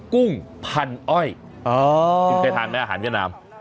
กุ้งพันอ้อยอ๋อใครทานแม่อาหารกับน้ำ